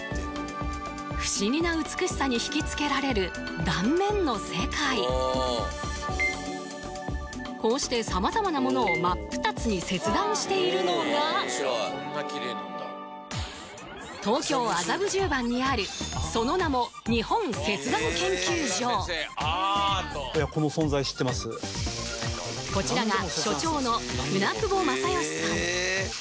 不思議な美しさに引きつけられる断面の世界こうして様々なものを真っ二つに切断しているのが東京麻布十番にあるその名もこちらが所長の舟久保正榮さん